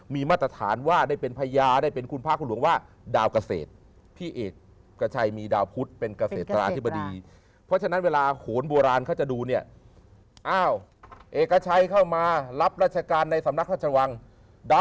มีมัตตาฐานว่าได้เป็นพญาได้เป็นคุณพระครัวหลวงว่า